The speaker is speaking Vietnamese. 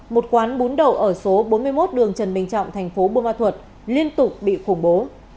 một quán bún đầu ở số bốn mươi một đường trần bình trọng thành phố bô ma thuật liên tục bị khủng bố